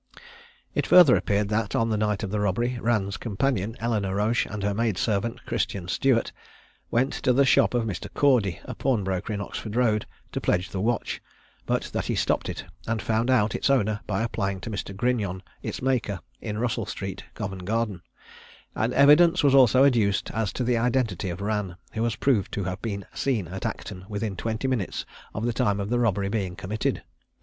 It further appeared that, on the night of the robbery, Rann's companion Eleanor Roche, and her maid servant, Christian Stewart, went to the shop of Mr. Cordy, a pawnbroker in Oxford road, to pledge the watch, but that he stopped it, and found out its owner by applying to Mr. Grignon, its maker, in Russell street, Covent garden; and evidence was also adduced as to the identity of Rann, who was proved to have been seen at Acton within twenty minutes of the time of the robbery being committed.